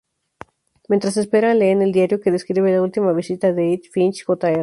Mientras esperan, leen el diario que describe la última visita de Edith Finch Jr.